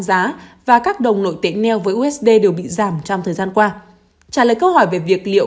giá và các đồng nội tệ neo với usd đều bị giảm trong thời gian qua trả lời câu hỏi về việc liệu